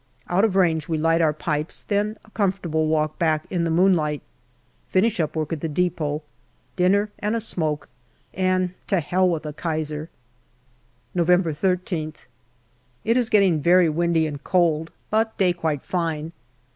Out of range we light our pipes, then a comfortable walk back in the moonlight. Finish up work at the depot. Dinner and a smoke, and to Hell with the Kaiser ! November 1.3th* It is getting very windy and cold, but day quite fine.